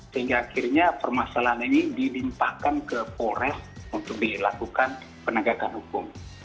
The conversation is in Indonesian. sehingga akhirnya permasalahan ini dilimpahkan ke polres untuk dilakukan penegakan hukum